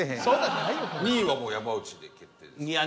２位はもう山内で決定ですか？